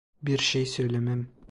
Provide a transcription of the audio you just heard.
Bir şey söylemem.